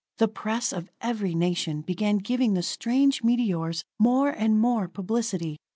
The press of every nation begin giving the strange meteors more and more publicity.